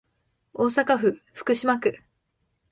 大阪市福島区